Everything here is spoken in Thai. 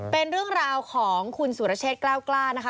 เป็นเรื่องราวของคุณสุรเชษฐ์กล้าวกล้านะคะ